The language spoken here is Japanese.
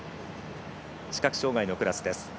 視覚に障がいのクラスです。